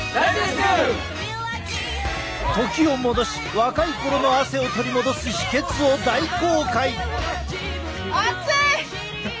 時を戻し若いころの汗を取り戻す秘けつを大公開！